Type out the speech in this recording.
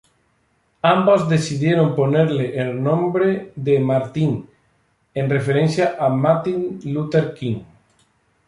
Ambos decidieron ponerle el nombre de Martin en referencia a Martin Luther King.